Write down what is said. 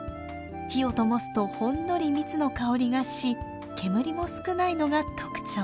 火をともすとほんのり蜜の香りがし煙も少ないのが特徴。